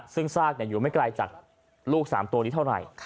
ซึ่งซากอยู่ไม่ไกลจากลูก๓ตัวนี้เท่าไหร่